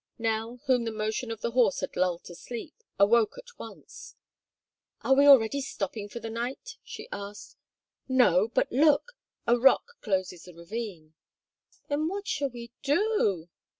Nell, whom the motion of the horse had lulled to sleep, awoke at once. "Are we already stopping for the night?" she asked. "No, but look! A rock closes the ravine." "Then what shall we do?"